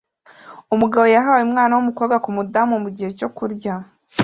Umugabo yahaye umwana wumukobwa kumudamu mugihe cyo kurya